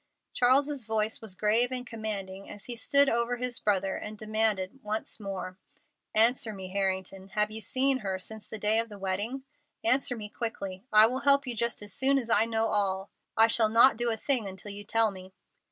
Charles's voice was grave and commanding as he stood over his brother and demanded once more: "Answer me, Harrington. Have you seen her since the day of the wedding? Answer me quickly. I will help you just as soon as I know all. I shall not do a thing until you tell me."